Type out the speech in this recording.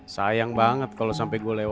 sayang banget kalau sampai gue lewat